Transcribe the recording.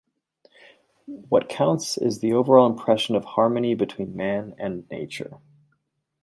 What counts is the overall impression of harmony between man and nature.